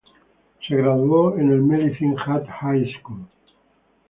Se graduó en el Medicine Hat High School.